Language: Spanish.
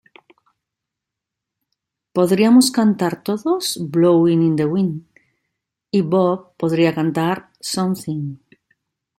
Podríamos cantar todos "Blowin' in the Wind" y Bob podría cantar "Something".